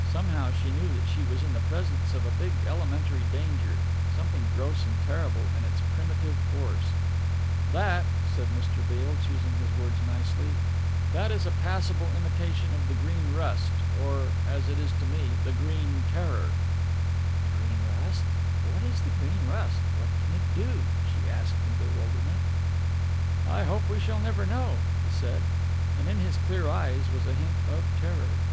Somehow she knew that she was in the presence of a big elementary danger something gross and terrible in its primitive force. "That," said Mr. Beale, choosing his words nicely, "that is a passable imitation of the Green Rust, or, as it is to me, the Green Terror." "The Green Rust? What is the Green Rust what can it do?" she asked in bewilderment. "I hope we shall never know," he said, and in his clear eyes was a hint of terror.